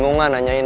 ran ran ran ran